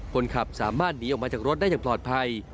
คนขับสามารถหนีออกมาจากรถได้อย่างปลอดภัย